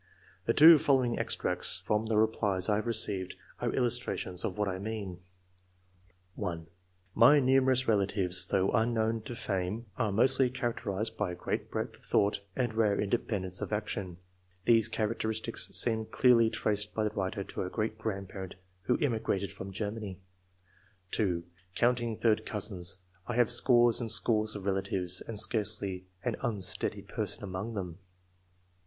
The two following extracts from the replies I have received, are illustrations of what I mean: — 70 ENGLISH MEN OF SCIENCE. [chap. (1) " My numerous relatives, though unknown to fame, are mostly characterised by great breadth of thought and rare independence of action." [These characteristics seem clearly traced by the writer to a great grandparent who immigrated from Germany] ; (2) " Counting third cousins, I have scores and scores of relatives, and scarcely an iinsteady person among them."